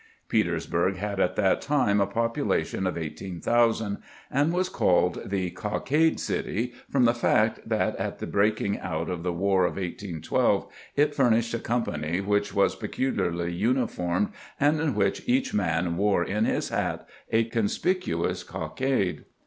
Petersburg had at that time a population of 18,000, and was called the " Cockade City " from the fact that at the breaking out of the war of 1812 it furnished a company which was peculiarly uniformed and in which each man wore in his hat a conspicuous cockade.